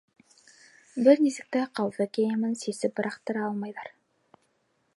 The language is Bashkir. Бер нисек тә ҡауҙы кейемен сисеп быраҡтыра алмайҙар.